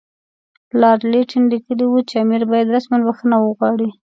لارډ لیټن لیکلي وو چې امیر باید رسماً بخښنه وغواړي.